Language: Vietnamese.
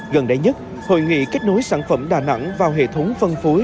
gần đây nhất hội nghị kết nối sản phẩm đà nẵng vào hệ thống phân phối